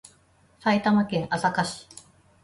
埼玉県朝霞市